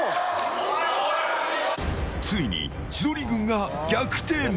ついに千鳥軍が逆転。